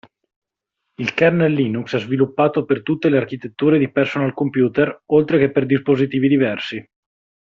Il kernel Linux è sviluppato per tutte le architetture di personal computer oltre che per dispositivi diversi.